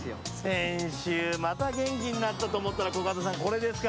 先週、また元気になったと思ったらこれですか。